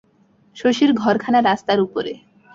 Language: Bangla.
শশীর ঘরখানা রাস্তার উপরে।